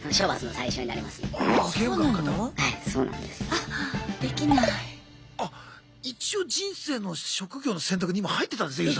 あ一応人生の職業の選択に今入ってたんですね